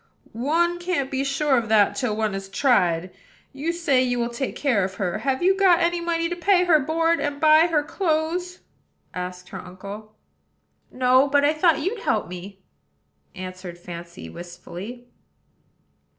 "One can't be sure of that till one has tried. You say you will take care of her: have you got any money to pay her board, and buy her clothes?" asked her uncle. "No; but I thought you'd help me," answered Fancy wistfully.